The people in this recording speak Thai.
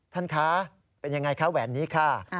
ท่านคะเป็นยังไงคะแหวนนี้ค่ะ